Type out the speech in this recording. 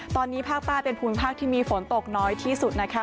ตอนนี้ภาคใต้เป็นภูมิภาคที่มีฝนตกน้อยที่สุดนะคะ